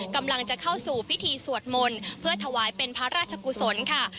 กำลังจะเข้าสู่พิธีสวดมนต์เพื่อถวายเป็นพระราชกุศลค่ะ